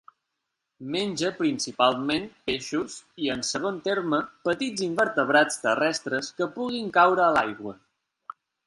Menja principalment peixos i, en segon terme, petits invertebrats terrestres que puguin caure a l'aigua.